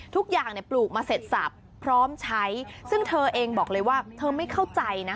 ทุกอย่างเนี่ยปลูกมาเสร็จสับพร้อมใช้ซึ่งเธอเองบอกเลยว่าเธอไม่เข้าใจนะ